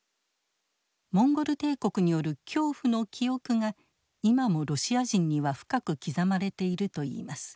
モンゴル帝国による恐怖の記憶が今もロシア人には深く刻まれているといいます。